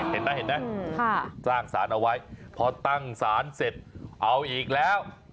เห็นไหมเห็นไหมสร้างสารเอาไว้พอตั้งศาลเสร็จเอาอีกแล้ว